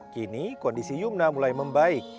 kini kondisi yumna mulai membaik